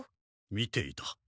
見ていた。